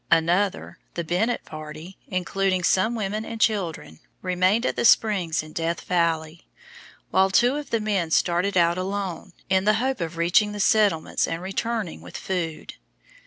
Another, the Bennett party, including some women and children, remained at the springs in Death Valley, while two of the men started out alone, in the hope of reaching the settlements and returning with food.